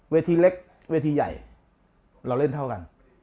เล็กเวทีใหญ่เราเล่นเท่ากัน